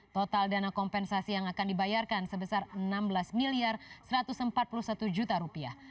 total dana kompensasi yang akan dibayarkan sebesar enam belas satu ratus empat puluh satu juta rupiah